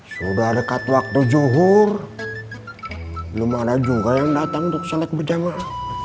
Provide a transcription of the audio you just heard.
sudah dekat waktu zuhur belum ada juga yang datang untuk salat berjamaah